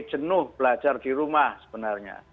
jenuh belajar di rumah sebenarnya